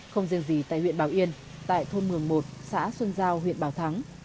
không riêng gì tại huyện bảo yên tại thôn một mươi một xã xuân giao huyện bảo thắng